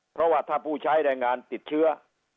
เพราะว่าถ้าผู้ใช้แรงงานติดเชื้อ